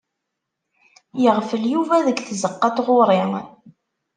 Yeɣfel Yuba deg tzeqqa n tɣuri.